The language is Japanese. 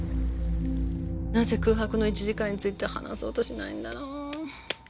なぜ空白の１時間について話そうとしないんだろう。